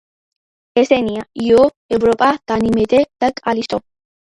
ესენია: იო, ევროპა, განიმედე და კალისტო.